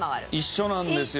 一緒なんですよ